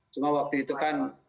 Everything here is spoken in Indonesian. cuma waktu itu kan di bawah anaknya